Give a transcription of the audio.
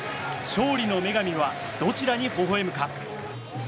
勝利の女神はどちらにほほ笑むか。